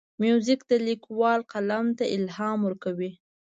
موزیک د لیکوال قلم ته الهام ورکوي.